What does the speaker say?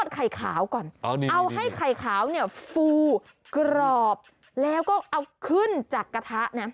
ไข่ขาวเนี่ยฟูกรอบแล้วก็เอาขึ้นจากกะทะนะ